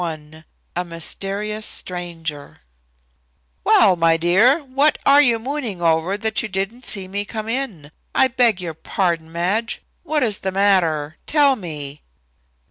XXXI A MYSTERIOUS STRANGER "Well, my dear, what are you mooning over that you didn't see me come in? I beg your pardon, Madge, what is the matter? Tell me."